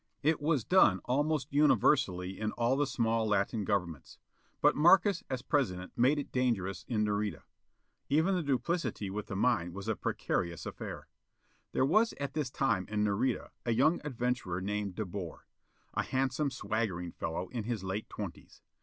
It was done almost universally in all the small Latin governments. But Markes as President made it dangerous in Nareda. Even the duplicity with the mine was a precarious affair. There was at this time in Nareda a young adventurer named De Boer. A handsome, swaggering fellow in his late twenties.